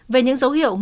về những dấu hiệu của bà